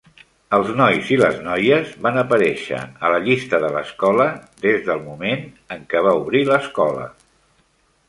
Els nois i les noies van aparèixer a la llista de l"escola des del moment en que va obrir l"escola.